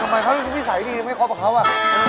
ทำไมเค้านิสัยดีไม่ครบกับเค้าหวะ